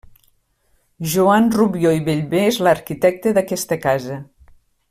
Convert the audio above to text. Joan Rubió i Bellver és l'arquitecte d'aquesta casa.